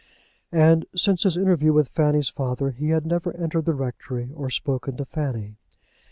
And since his interview with Fanny's father he had never entered the rectory, or spoken to Fanny.